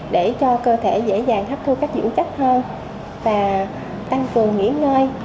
để cho cơ thể dễ dàng hấp thu các dưỡng chất hơn và tăng cường nghỉ ngơi